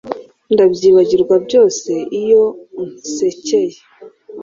Ndabyibagirwa byose iyo unsekeye